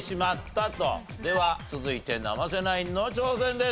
では続いて生瀬ナインの挑戦です。